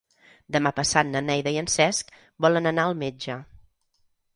Demà passat na Neida i en Cesc volen anar al metge.